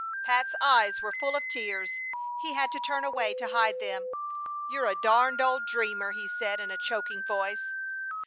Pat's eyes were full of tears. He had to turn away to hide them. "You're a darned old dreamer!" he said, in a choking voice.